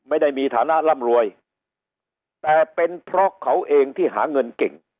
ไม่ได้มีฐานะร่ำรวยแต่เป็นเพราะเขาเองที่หาเงินเก่ง